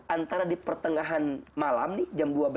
antara di pertengahan malam nih jam dua belas